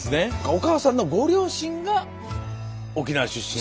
お母さんのご両親が沖縄出身。